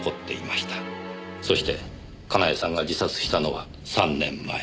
そして佳苗さんが自殺したのは３年前。